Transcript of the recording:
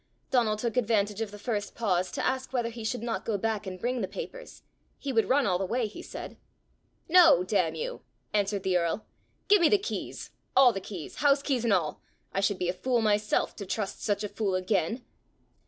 Donal took advantage of the first pause to ask whether he should not go back and bring the papers: he would run all the way, he said. "No, damn you!" answered the earl. "Give me the keys all the keys house keys and all. I should be a fool myself to trust such a fool again!"